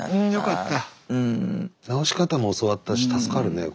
治し方も教わったし助かるねこれは。